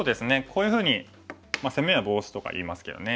こういうふうに「攻めはボウシ」とかいいますけどね。